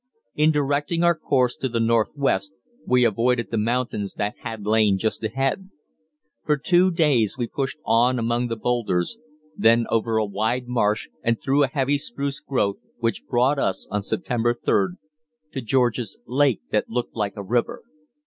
In directing our course to the northwest we avoided the mountains that had lain just ahead. For two days we pushed on among the boulders, then over a wide marsh and through a heavy spruce growth, which brought us, on September 3d, to George's "lake that looked like a river."